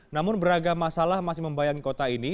namun beragam masalah masih membayangi kota ini